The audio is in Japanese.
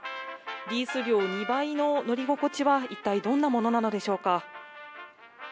リース料２倍の乗り心地は一体どんなものなのでしょうか。